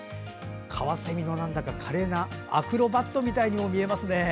かわせみの華麗なアクロバットみたいにも見えますね。